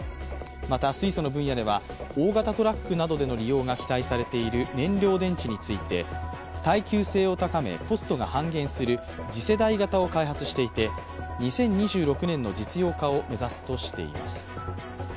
また、水素の分野では大型トラックなどでの利用が期待されている燃料電池について、耐久性を高めコストが半減する次世代型を開発していて２０２６年の実用化を目指すとしています。